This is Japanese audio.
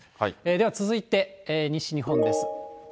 では続いて、西日本です。